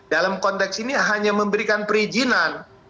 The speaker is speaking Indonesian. dalam konteks ini hanya memberikan perizinan